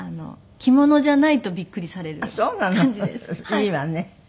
いいわね。